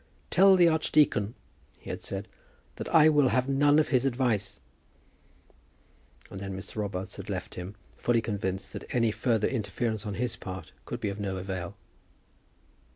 "Tell the archdeacon," he had said, "that I will have none of his advice." And then Mr. Robarts had left him, fully convinced that any further interference on his part could be of no avail.